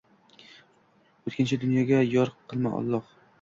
O‘tkinchi dunyoga yor qilma, Alloh.